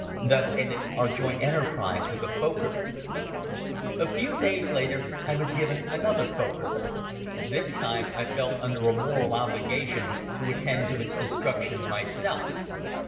Thus ended our joint enterprise with a Fokker. A few days later I was given another Fokker. This time I felt under a moral obligation to attend to its destruction myself.